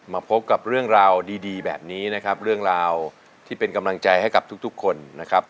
มาพบกับเรื่องราวดีแบบนี้นะครับเรื่องราวที่เป็นกำลังใจให้กับทุกคนนะครับ